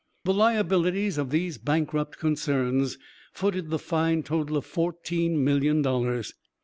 The liabilities of these bankrupt concerns footed the fine total of fourteen million dollars.